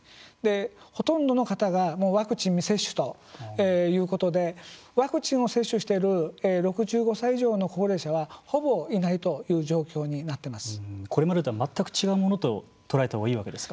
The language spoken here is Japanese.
ほとんどの方がワクチン未接種ということでワクチンを接種している６５歳以上の高齢者はほぼいないというこれまでとは全く違うものと捉えたほうがいいわけですか。